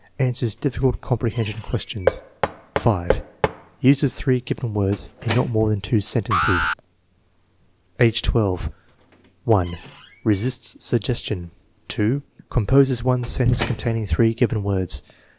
Answers difficult "comprehension questions/* fl. Uses three given words m not more than two scnte.ncoa* Afffi M: I. Resist suggestion. , Composes otic .sentence containing three given words.